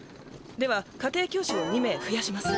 では家庭教師を２名ふやします。